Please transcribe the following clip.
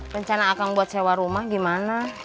rencana akan buat sewa rumah gimana